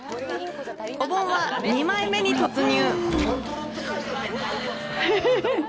お盆は２枚目に突入。